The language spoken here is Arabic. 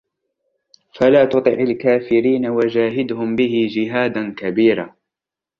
فَلَا تُطِعِ الْكَافِرِينَ وَجَاهِدْهُمْ بِهِ جِهَادًا كَبِيرًا